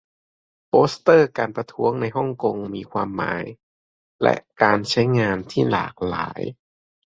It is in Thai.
โปสเตอร์การประท้วงในฮ่องกงมีความหมายและการใช้งานที่หลากหลาย